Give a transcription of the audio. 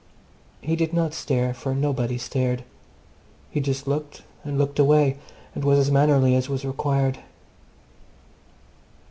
He did not stare, for nobody stared. He just looked and looked away, and was as mannerly as was required.